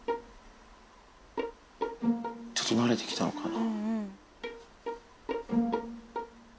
ちょっとなれてきたのかな。